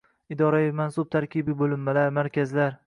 idoraviy mansub tarkibiy bo`linmalar, markazlar